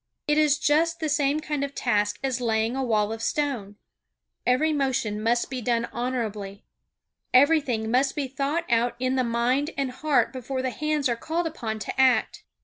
It is just the same kind of task as laying a wall of stone. Every motion must be done honorably. Everything must be thought out in the mind and heart before the hands are called upon to act.